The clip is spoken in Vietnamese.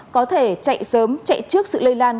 có thể chạy sớm chạy trước sự lây lan